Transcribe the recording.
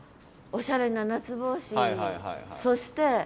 おしゃれな夏帽子にそして